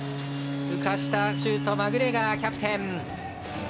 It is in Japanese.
浮かしたシュートマグレガー、キャプテン。